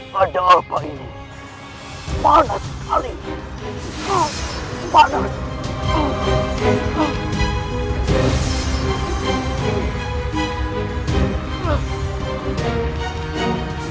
padahal apa ini